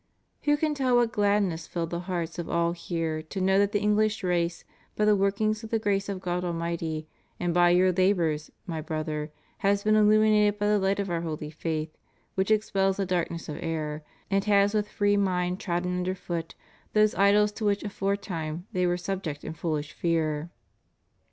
Who can tell what gladness filled the hearts of all here to know that the Enghsh race, by the workings of the grace of God Almighty, and by your labors, my brother, has been illuminated by the light of our holy faith, which expels the darkness of error, and has with free mind trodden under foot those idols to which aforetime they were sub ject in foolish fear."